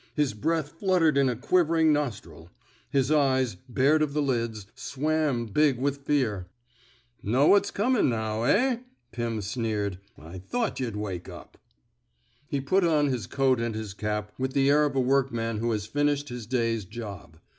His breath fluttered in a quiver ing nostril. His eyes, bared of the lids, swam big with fear. *' Know what's comin', now, eh? '' Pim sneered. *' I thought yuh'd wake up." He put on his coat and his cap with the air of a workman who has finished his day's job."